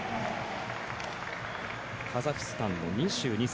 カザフスタンの２２歳。